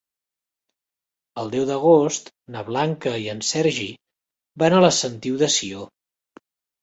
El deu d'agost na Blanca i en Sergi van a la Sentiu de Sió.